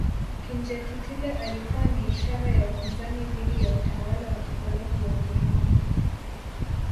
Kinjekitile alikuwa ni ishara ya upinzani dhidi ya utawala wa kikoloni wa ujerumani